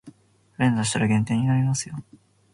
連打したら減点になりますよ